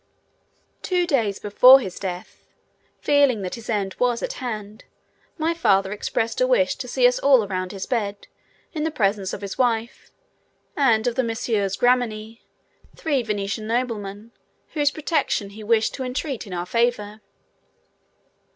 Two days before his death, feeling that his end was at hand, my father expressed a wish to see us all around his bed, in the presence of his wife and of the Messieurs Grimani, three Venetian noblemen whose protection he wished to entreat in our favour.